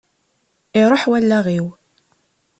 Iṛuḥ wallaɣ-iw.